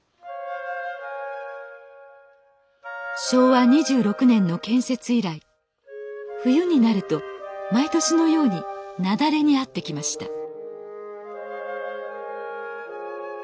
昭和２６年の建設以来冬になると毎年のように雪崩に遭ってきました